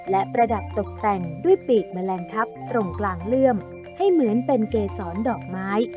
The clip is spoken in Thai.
และประดับตกแต่งด้วยปีกแมลงทับตรงกลางเลื่อมให้เหมือนเป็นเกษรดอกไม้